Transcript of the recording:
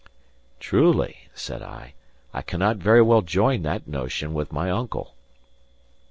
"Truly," said I, "I cannot very well join that notion with my uncle."